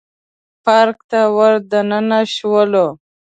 پارک ته ور دننه شولو.